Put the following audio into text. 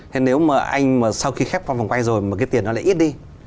thế nếu mà anh mà sau khi khép qua vòng quay rồi mà cái tiền nó lại ít đi